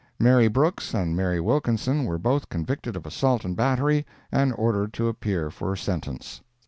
Mary Brooks and Maria Wilkinson were both convicted of assault and battery, and ordered to appear for sentence.